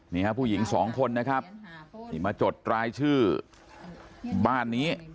นี่ฮะผู้หญิงสองคนนะครับนี่มาจดรายชื่อบ้านนี้